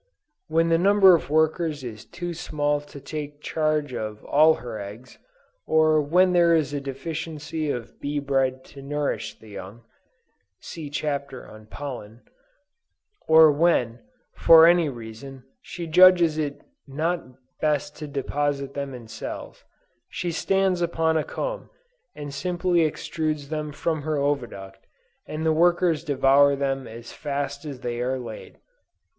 When the number of workers is too small to take charge of all her eggs, or when there is a deficiency of bee bread to nourish the young, (See chapter on Pollen,) or when, for any reason, she judges it not best to deposit them in cells, she stands upon a comb, and simply extrudes them from her oviduct, and the workers devour them as fast as they are laid!